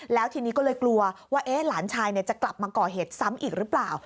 แล้วทีนี้ก็เลยกลัวว่าหลานชายจะกลับมาก่อเหตุซ้ำอีกหรือเปล่า